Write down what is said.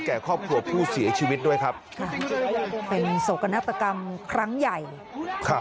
แก่ครอบครัวผู้เสียชีวิตด้วยครับค่ะเป็นโศกนาฏกรรมครั้งใหญ่ครับ